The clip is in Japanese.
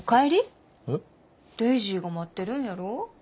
デイジーが待ってるんやろ。